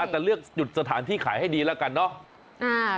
แต่เลือกหยุดสถานที่ขายให้ดีแล้วกันเนาะ